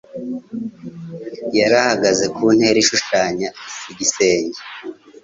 Yari ahagaze ku ntera ishushanya igisenge.